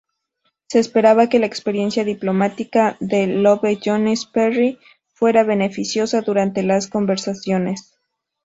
Se esperaba que la experiencia diplomática de Love Jones-Parry fuera beneficiosa durante las conversaciones.